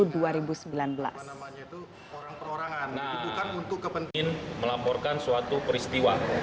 nah itu kan untuk kepentingan melaporkan suatu peristiwa